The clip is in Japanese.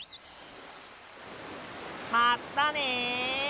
まったね！